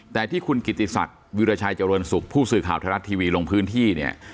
แต่ที่คุณกิติศักดิ์วิราชัยเจริญสุขผู้สื่อข่าวไทยรัฐทีวีลงพื้นที่เนี่ย